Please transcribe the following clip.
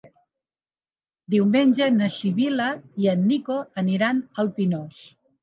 Diumenge na Sibil·la i en Nico aniran al Pinós.